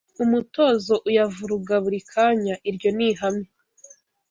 umutozo uyavuruga buri kanya iryo ni ihame